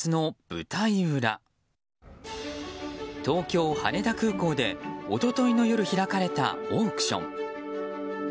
東京・羽田空港で一昨日の夜開かれたオークション。